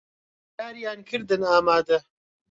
داریان کردن ئامادە